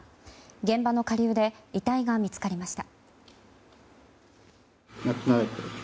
現場の下流で遺体が見つかりました。